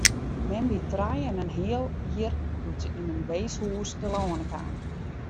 Mem wie trije en in heal jier doe't se yn in weeshûs telâne kaam.